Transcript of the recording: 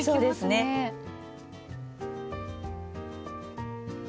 そうなんですね。